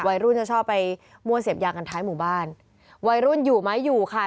วัยรุ่นจะชอบไปมั่วเสพยากันท้ายหมู่บ้านวัยรุ่นอยู่ไหมอยู่ค่ะ